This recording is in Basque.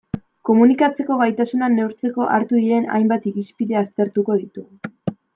Komunikatzeko gaitasuna neurtzeko hartu diren hainbat irizpide aztertuko ditugu.